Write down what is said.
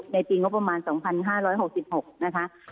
ในปีงบประมาณ๒๕๖๖นะคะ